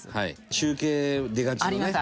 「中継出がちのね」